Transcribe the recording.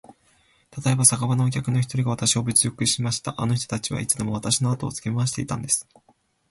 たとえば、酒場のお客の一人がわたしを侮辱しました。あの人たちはいつでもわたしのあとをつけ廻していたんです。